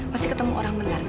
masih ketemu orang menarik